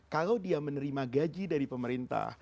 kalau dia menerima gaji dari pemerintah